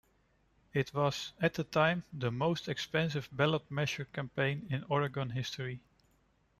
It was, at the time, the most expensive ballot measure campaign in Oregon history.